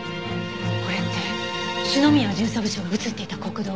これって篠宮巡査部長が映っていた国道。